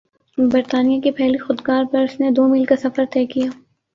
برطانیہ کی پہلی خودکار بس نے دو میل کا سفر طے کیا